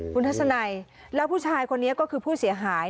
คุณทัศนัยแล้วผู้ชายคนนี้ก็คือผู้เสียหาย